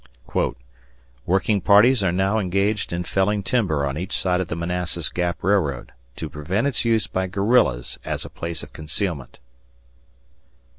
"Working parties are now engaged in felling timber on each side of the Manassas Gap Railroad, to prevent its use by guerrillas as a place of concealment.